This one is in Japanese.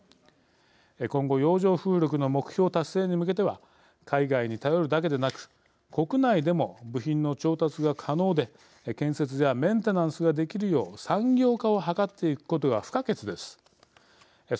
今後、洋上風力の目標達成に向けては海外に頼るだけでなく国内でも部品の調達が可能で建設やメンテナンスができるよう産業化を図っていくことが不可欠です。